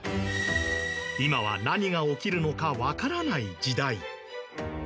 今は何が起きるのか分からない時代。